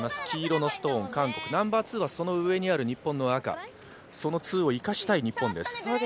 黄色のストーン、韓国、ナンバーツーはその上にある日本の赤そのツーを生かしたい日本です。